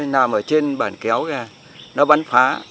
nằm ở trên bản kéo kia nó bắn phá